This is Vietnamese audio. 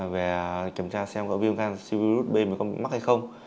về kiểm tra xem có viêm canxi virus bên mình có mắc hay không